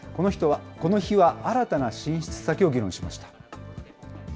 この日は新たな進出先を議論しました。